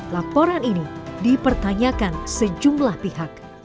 laporan ini dipertanyakan sejumlah pihak